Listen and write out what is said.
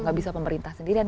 gak bisa pemerintah sendirian